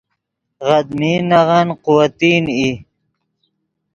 غدمین نغن قوتین ای